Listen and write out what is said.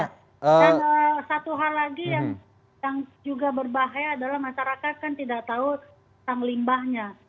nah satu hal lagi yang juga berbahaya adalah masyarakat kan tidak tahu tentang limbahnya